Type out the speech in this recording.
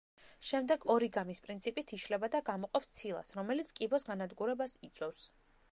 შემდეგ, ორიგამის პრინციპით იშლება და გამოყოფს ცილას, რომელიც კიბოს განადგურებას იწვევს.